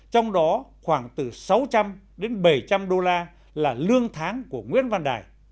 trong đó khoảng từ sáu trăm linh đến bảy trăm linh usd là lương tháng của nguyễn văn đại